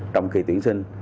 trong kỳ tuyển sinh